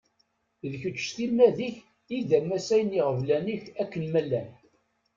D kečč s timmad-ik i d amasay n yiɣeblan-ik akken ma llan.